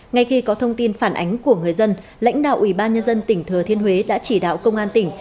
ngay khi có thông tin phản ánh của người dân lãnh đạo ủy ban nhân dân tỉnh thừa thiên huế đã chỉ đạo công an tỉnh